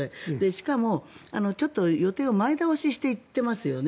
しかもちょっと予定を前倒しして行っていますよね。